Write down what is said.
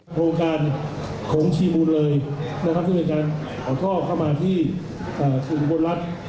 โครงการโขงชีมูลเลยที่เป็นการออกท่อเข้ามาที่อุบลรัฐ